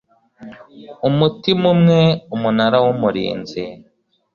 umutima umwe umunara w umurinzi